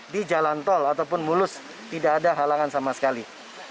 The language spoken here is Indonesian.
di jalan tol ataupun mulus tidak ada halangan sama sekali